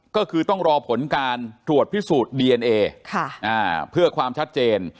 ก็คือต้องรอผลการตรวจพิสูจน์ดีเอนเอเพื่อความชัดเจน